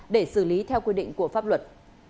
để xử lý theo quy định của pháp luật